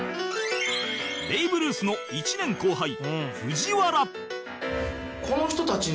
ベイブルースの１年後輩えっ！